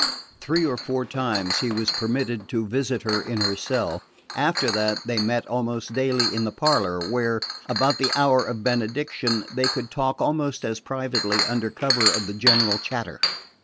Three or four times he was permitted to visit her in her cell: after that they met almost daily in the parlour, where, about the hour of benediction, they could talk almost as privately under cover of the general chatter.